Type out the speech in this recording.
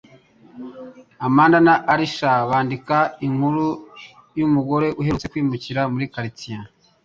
Amanda na Alisha bandika inkuru yumugore uherutse kwimukira muri quartier